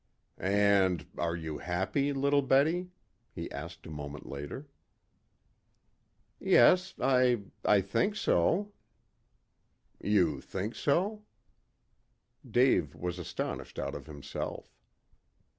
"And are you happy little Betty?" he asked a moment later. "Yes I I think so." "You think so?" Dave was astonished out of himself.